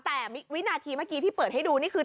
แต่วินาทีเมื่อกี้ที่เปิดให้ดูนี่คือ